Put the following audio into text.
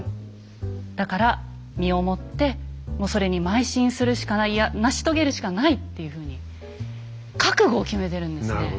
だから身をもってもうそれに邁進するしかないいや成し遂げるしかないっていうふうに覚悟を決めてるんですね。